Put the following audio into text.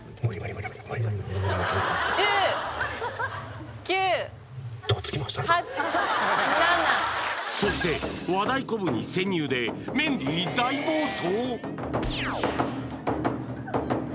１０９８７そして和太鼓部に潜入でメンディー大暴走！？